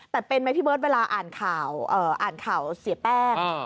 แต่เป็นไหมที่เบิร์ดเวลาอ่านข่าวเสียแป้ง